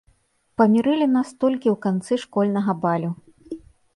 Памірылі нас толькі ў канцы школьнага балю.